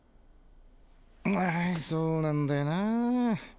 んぁそうなんだよなぁ。え？